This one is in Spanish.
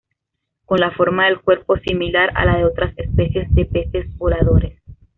Con la forma del cuerpo similar a la de otras especies de peces voladores.